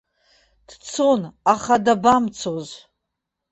Дцон, аха дабамцоз.